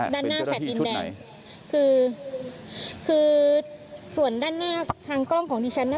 ด้านหน้าแฟลต์ดินแดงคือคือส่วนด้านหน้าทางกล้องของดิฉันน่ะ